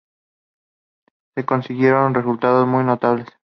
Se consiguieron resultados muy notables.